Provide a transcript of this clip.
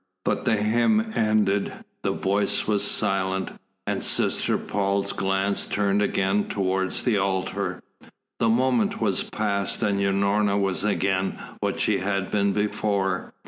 But the hymn ended, the voice was silent, and Sister Paul's glance turned again towards the altar. The moment was passed and Unorna was again what she had been before.